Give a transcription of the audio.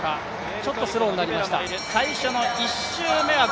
ちょっとスローになりました。